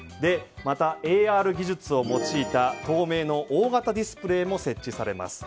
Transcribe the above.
またＡＲ技術を用いた透明の大型ディスプレーも設置されます。